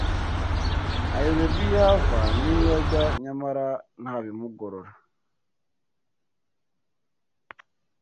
ayoberwa iyo ava n’iyo ajya nyamara ntabimugorora